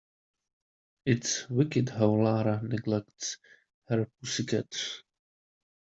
It's wicked how Lara neglects her pussy cat.